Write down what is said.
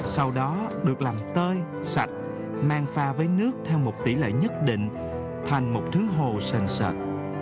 sau đó được làm tơi sạch mang pha với nước theo một tỷ lệ nhất định thành một thứ hồ sành sạch